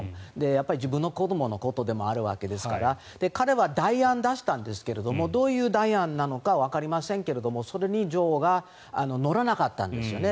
やっぱり自分の子どものことでもあるわけですから彼は代案を出したんですがどういう代案なのかわかりませんがそれに女王が乗らなかったんですよね。